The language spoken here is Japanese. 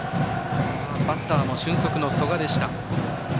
バッター俊足の曽我でした。